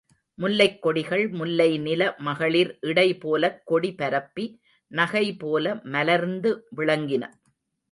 முல்லைக் கொடிகள், முல்லைநில மகளிர் இடை போலக் கொடி பரப்பி, நகை போல மலர்ந்து விளங்கின.